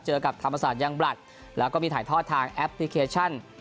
กับธรรมศาสตร์ยังบลัดแล้วก็มีถ่ายทอดทางแอปพลิเคชัน